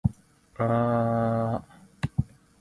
好多投行都準備裁減人手